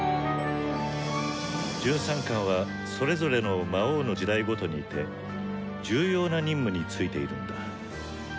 １３冠はそれぞれの魔王の時代ごとにいて重要な任務に就いているんだ。